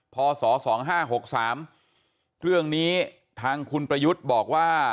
พศ๒๕๖๓เรื่องนี้ทางคุณประยุทธ์บอกว่า